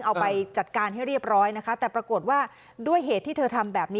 เอาไปจัดการให้เรียบร้อยนะคะแต่ปรากฏว่าด้วยเหตุที่เธอทำแบบนี้